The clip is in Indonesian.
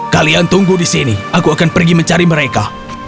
kalian tunggu di sini aku akan pergi mencari mereka